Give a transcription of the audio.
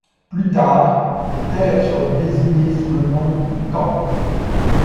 Plus tard, les terres seront désignées sous le nom du camp.